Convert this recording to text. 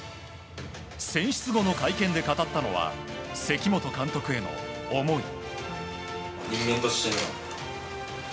選出後の会見で語ったのは関本監督への思い。